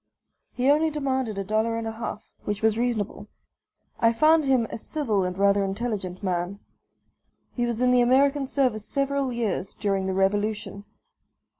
He only demanded a dollar and a half, which was reasonable. I found him a civil and rather intelligent man; he was in the American service several years, during the Revolution.